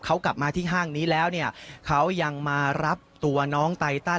เขากลับมาที่ห้างนี้แล้วเนี่ยเขายังมารับตัวน้องไตตัน